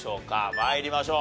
参りましょう。